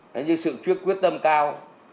đấy như sự quyết tâm cao